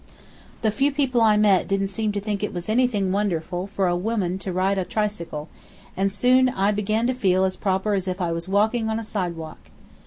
The few people I met didn't seem to think it was anything wonderful for a woman to ride on a tricycle, and I soon began to feel as proper as if I was walking on a sidewalk.